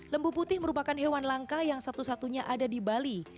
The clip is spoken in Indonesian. lembu putih merupakan hewan langka yang satu satunya ada di bali